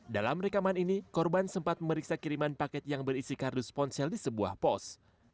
dalam rekaman ini korban sempat memeriksa kiriman paket yang berisi kardus ponsel di sebuah pos